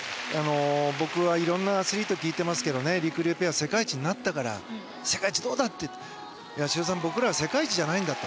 僕はいろんなアスリートに聞いてますけどりくりゅうペア世界一になったから世界一どうだって、修造さん僕らは世界一じゃないんだと。